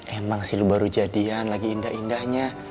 emang sih baru jadian lagi indah indahnya